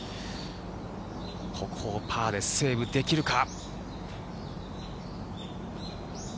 ここをパーでセーブできるか。